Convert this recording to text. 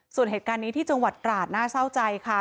ส่วนเหตุการณ์นี้ที่จังหวัดตราดน่าเศร้าใจค่ะ